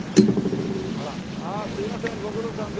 あらあっすいません。